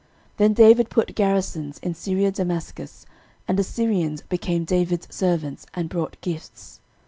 13:018:006 Then David put garrisons in Syriadamascus; and the Syrians became David's servants, and brought gifts.